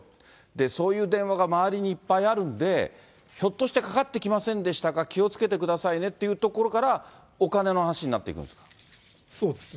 そういう電話が周りにいっぱいあるんで、ひょっとしてかかってきませんでしたか、気をつけてくださいねっていうところから、お金の話になっていくそうですね。